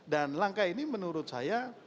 dan langkah ini menurut saya